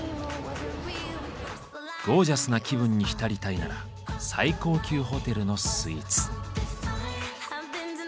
ゴージャスな気分に浸りたいなら最高級ホテルのスイーツ。